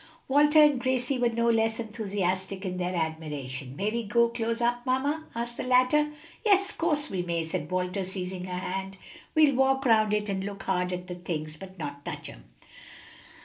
Walter and Gracie were no less enthusiastic in their admiration. "May we go close up, mamma?" asked the latter. "Yes, 'course we may," said Walter, seizing her hand, "we'll walk round it and look hard at the things, but not touch 'em."